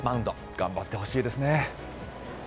頑張ってほしいですね。